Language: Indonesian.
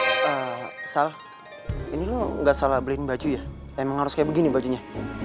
ehm sal ini lo gak salah beliin baju ya emang harus kayak begini bajunya